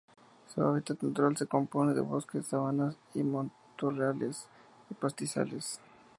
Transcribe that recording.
Su hábitat natural se compone de bosques, sabanas, matorrales, y pastizales.